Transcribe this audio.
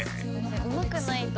「うまくないと」